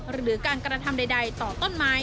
หรือการกระทำใดต่อต้นไม้